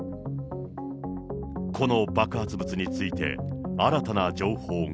この爆発物について、新たな情報が。